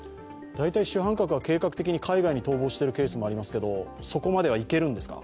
主犯格は計画的に海外に逃亡しているケースがありますけどそこまでは行けるんですか？